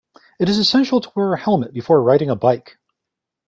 It is essential to wear a helmet before riding a bike.